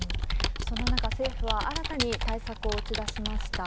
そんな中、政府は新たに対策を打ち出しました。